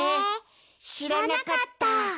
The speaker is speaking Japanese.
しらなかった！